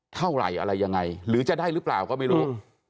เท่าไหร่อะไรยังไงหรือจะได้หรือเปล่าก็ไม่รู้